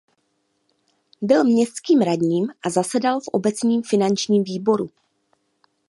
Byl městským radním a zasedal v obecním finančním výboru.